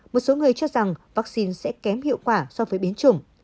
một số người cho rằng vaccine sẽ kém hiệu quả so với biến chủng